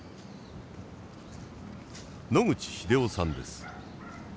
野口秀夫さんです。